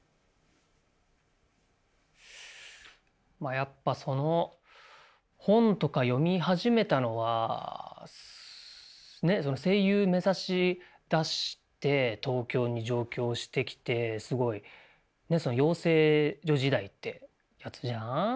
やっぱその本とか読み始めたのは声優目指しだして東京に上京してきてすごいその養成所時代ってやつじゃん。